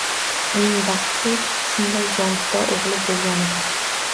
Uning baxti shunday jonfido o‘g‘li bo‘lganida.